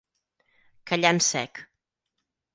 Callar en sec.